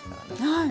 はい。